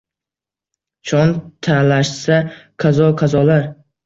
Shon talashsa kazo-kazolar.